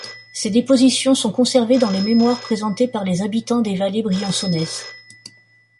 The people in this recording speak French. Ces dépositions sont conservées dans les mémoires présentés par les habitants des vallées briançonnaises.